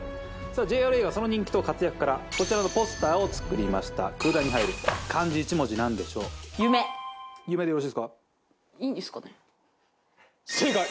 ＪＲＡがその人気と活躍からこちらのポスターを作りました空欄に入る漢字一文字何でしょういいんですかね正解！